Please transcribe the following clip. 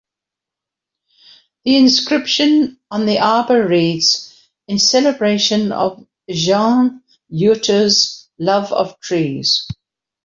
The inscription on the arbor reads "In Celebration of Jeanne Yeutter's Love of Trees".